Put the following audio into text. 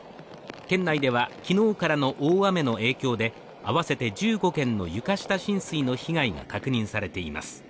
県内では昨日からの大雨の影響で合わせて１５件の床下浸水の被害が確認されています。